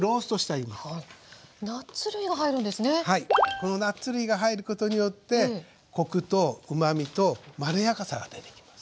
このナッツ類が入ることによってコクとうまみとまろやかさが出てきます。